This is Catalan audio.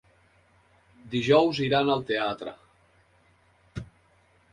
Dijous iran al teatre.